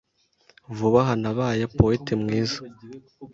Vuba aha, nabaye Poete mwiza